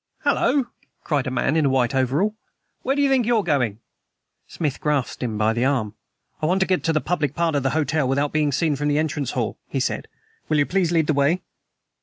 "Hallo!" cried a man in a white overall, "where d'you think you're going?" Smith grasped him by the arm. "I want to get to the public part of the hotel without being seen from the entrance hall," he said. "Will you please lead the way?"